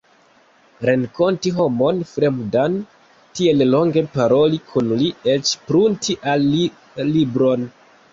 Renkonti homon fremdan, tiel longe paroli kun li, eĉ prunti al li libron!